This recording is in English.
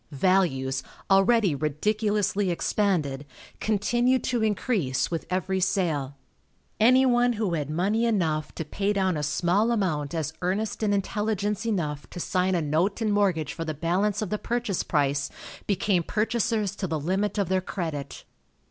Values, already ridiculously expanded, continued to increase with every sale. Anyone who had money enough to pay down a small amount as earnest and intelligence enough to sign a note and mortgage for the balance of the purchase price became purchasers to the limit of their credit.